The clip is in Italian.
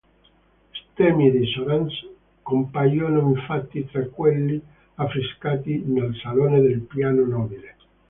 Stemmi dei Soranzo compaiono infatti tra quelli affrescati nel salone del piano nobile.